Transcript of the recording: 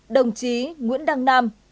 đồng chí nguyễn đăng nam